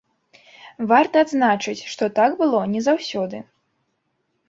Варта адзначыць, што так было не заўсёды.